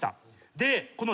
でこの。